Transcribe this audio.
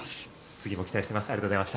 次も期待しています。